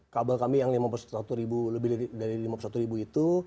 kabel kami yang lima puluh satu ribu lebih dari lima puluh satu ribu itu